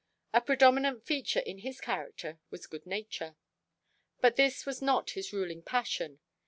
A predominant feature in his character was good nature. But this was not his ruling passion.